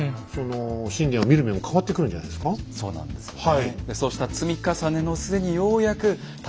随分そうなんですよね。